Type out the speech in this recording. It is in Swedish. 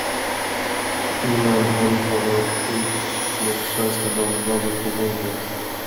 Innan han talat ut låg Svenska Dagbladet på golvet.